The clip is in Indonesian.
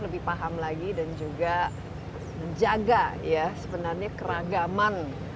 lebih paham lagi dan juga menjaga ya sebenarnya keragaman